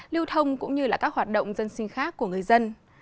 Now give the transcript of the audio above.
lưu thông cũng như là các hoạt động dân sinh khác của người dân